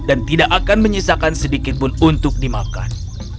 dan tidak akan menyisakan sedikitpun untuk dimakan